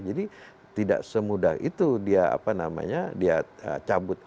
jadi tidak semudah itu dia apa namanya dia cabut